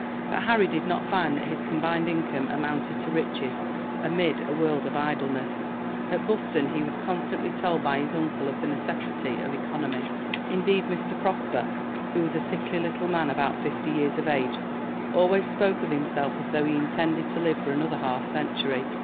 But Harry did not find that his combined income amounted to riches amid a world of idleness. At Buston he was constantly told by his uncle of the necessity of economy. Indeed, Mr. Prosper, who was a sickly little man about fifty years of age, always spoke of himself as though he intended to live for another half century.